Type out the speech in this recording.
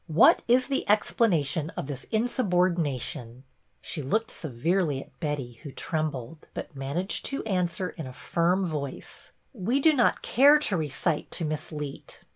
What is the explanation of this insubordination }" She looked severely at Betty who trembled, but managed to answer in a firm voice, —" We do not care to recite to Miss Leet."